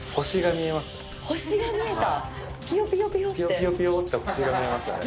ピヨピヨピヨって星が見えましたね。